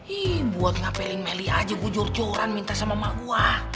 ih buat ngapelin meli aja gue jorjoran minta sama emak gue